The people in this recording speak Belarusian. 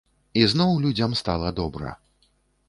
І зноў людзям стала добра.